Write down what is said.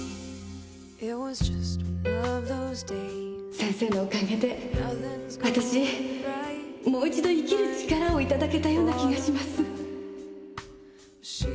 先生のおかげでわたしもう一度生きる力を頂けたような気がします